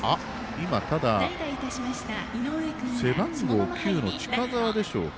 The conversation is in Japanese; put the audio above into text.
今、背番号９の近澤でしょうか。